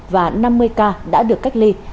và năm mươi ca đã được cách ly